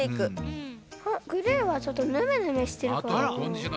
グレーはちょっとぬめぬめしてるかな。